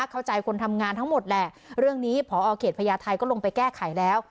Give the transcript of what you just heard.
เข้าใจคนทำงานทั้งหมดแหละเรื่องนี้พอเขตพญาไทยก็ลงไปแก้ไขแล้ว